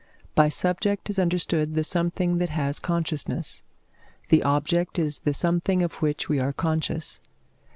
By subject is understood the something that has consciousness; the object is the something of which we are conscious.